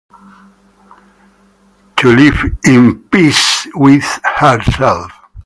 To live in peace with herself.